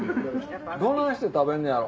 どないして食べんねやろ？